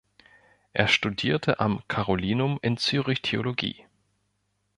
Er studierte am Carolinum in Zürich Theologie.